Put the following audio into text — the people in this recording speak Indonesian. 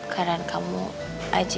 keadaan kamu aja